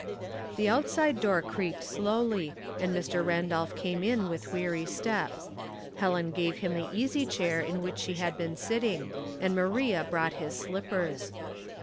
The outside door creaked slowly, and Mr. Randolph came in with weary step. Helen gave him the easy chair in which she had been sitting, and Maria brought his slippers.